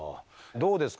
どうですか？